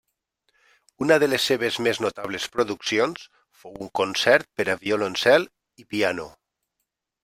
Una de les seves més notables produccions fou un concert per a violoncel i piano.